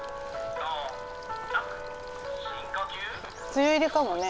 梅雨入りかもね。